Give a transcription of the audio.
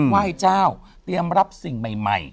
ไหว้เจ้าเตรียมรับสิ่งใหม่